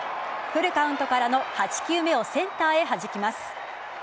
フルカウントからの８球目をセンターへはじきます。